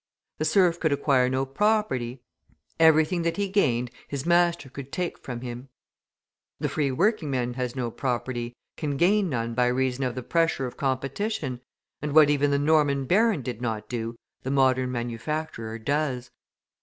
The serf could acquire no property; everything that he gained, his master could take from him; the free working man has no property, can gain none by reason of the pressure of competition, and what even the Norman baron did not do, the modern manufacturer does.